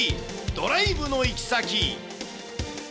ドライブの行き先。